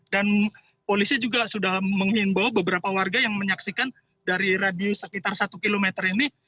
dan polisi juga sudah menghimbau beberapa warga yang menyaksikan dari radio sekitar satu km ini